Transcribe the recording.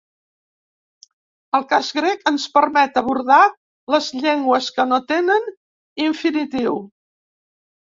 El cas grec ens permet abordar les llengües que no tenen infinitiu.